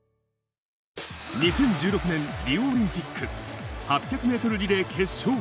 ２０１６年、リオオリンピック、８００メートルリレー決勝。